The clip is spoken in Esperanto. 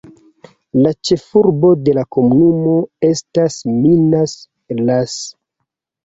La ĉefurbo de la komunumo estas Minas, las.